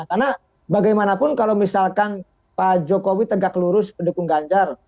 karena bagaimanapun kalau misalkan pak jokowi tegak lurus mendukung ganjar